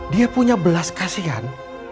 dia punya belas kasihan